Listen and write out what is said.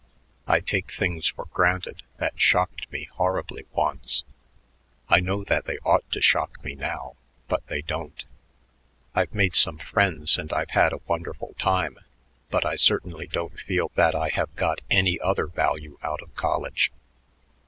I take things for granted that shocked me horribly once. I know that they ought to shock me now, but they don't. I've made some friends and I've had a wonderful time, but I certainly don't feel that I have got any other value out of college."